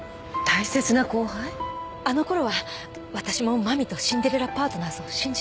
あのころはわたしも真実とシンデレラパートナーズを信じていた。